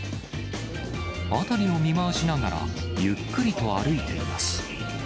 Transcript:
辺りを見回しながら、ゆっくりと歩いています。